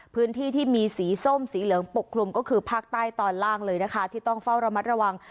พื้นที่ที่มีสีส้มสีเหลืองปกคลุมก็คือภาคใต้ตอนล่างเลยนะคะที่ต้องเฝ้าระมัดระวัง